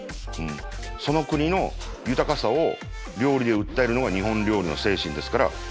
その国の豊かさを料理で訴えるのが日本料理の精神ですから。